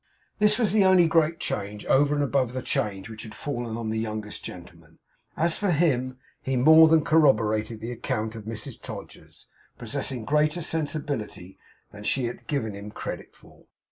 This was the only great change over and above the change which had fallen on the youngest gentleman. As for him, he more than corroborated the account of Mrs Todgers; possessing greater sensibility than even she had given him credit for.